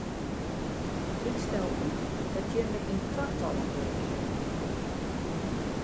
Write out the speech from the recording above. Ik stel út dat jimme yn twatallen wurkje.